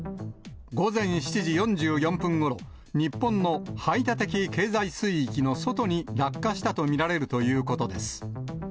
午前７時４４分ごろ、日本の排他的経済水域の外に落下したと見られるということです。